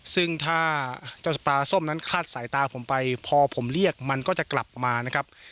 ซึ่งถ้าเจ้าสปาส้มนั้นคลาดสายตาผมไปพอผมเรียกมันก็จะกลับมานะครับ